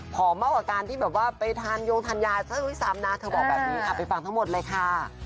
ผอมเมาะกับการที่ไปทานโยงทันยายสามนาที่เธอบอกแบบนี้ไปฟังทั้งหมดเลยค่ะ